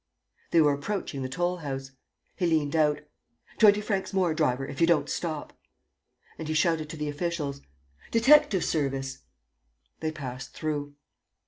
They were approaching the toll house. He leant out: "Twenty francs more, driver, if you don't stop." And he shouted to the officials: "Detective service!" They passed through.